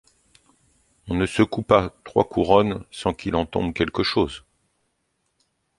On ne secoue pas trois couronnes sans qu'il en tombe quelque chose.